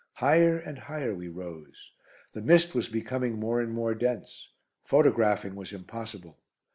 Higher and higher we rose. The mist was becoming more and more dense. Photographing was impossible.